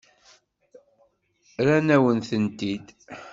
Rran-awen-tent-id.